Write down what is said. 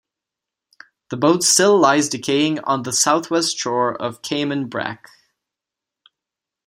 The boat still lies decaying on the southwest shore of Cayman Brac.